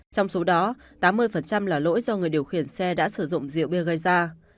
trong số đó tám mươi là lỗi do người điều khiển xe đã sử dụng rượu bia gây ra